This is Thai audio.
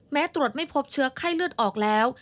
ตรวจไม่พบเชื้อไข้เลือดออกแล้ว